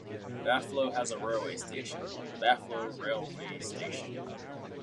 Baflo has a railway station - Baflo railway station.